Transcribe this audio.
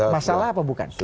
masalah apa bukan